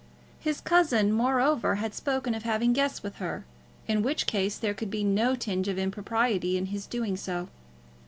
His cousin, moreover, had spoken of having guests with her, in which case there could be no tinge of impropriety in his doing so.